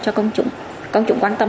cho công chủ quan tâm